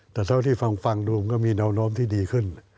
แต่เท่าที่ฟังดูมันก็มีแนวโน้มที่ดีขึ้น